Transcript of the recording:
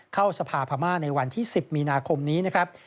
เข้าสภาพม่าในวันที่๑๐มีนาคมนี้นะครับ